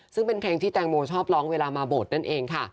ซึ่งเป็นเพลงที่แตงโมชอบร้องเวลามาโบสถนั่นเองค่ะ